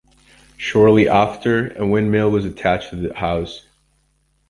Shortly after, a windmill was attached to the house.